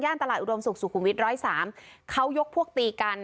ตลาดอุดมสุขุมวิทยร้อยสามเขายกพวกตีกัน